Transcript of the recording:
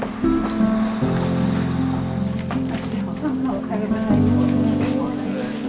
おはようございます。